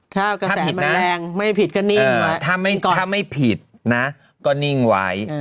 ถ้าผิดแรงไม่ผิดก็นิ่งไว้ถ้าไม่ผิดนะก็นิ่งไว้